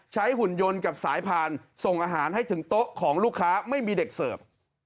หุ่นยนต์กับสายพานส่งอาหารให้ถึงโต๊ะของลูกค้าไม่มีเด็กเสิร์ฟ